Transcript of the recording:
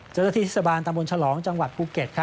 เจนทธิสบาลตำบลฉลองจังหวัดภูเก็ต